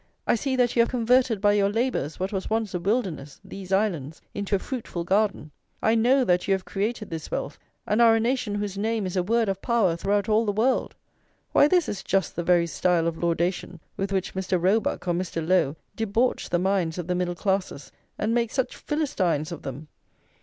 I see that you have converted by your labours what was once a wilderness, these islands, into a fruitful garden; I know that you have created this wealth, and are a nation whose name is a word of power throughout all the world." Why, this is just the very style of laudation with which Mr. Roebuck or Mr. Lowe debauch the minds of the middle classes, and make such Philistines of them.